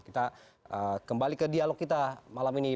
kita kembali ke dialog kita malam ini